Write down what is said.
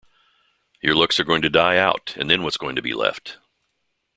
Your looks are going to die out, and then what's going to be left?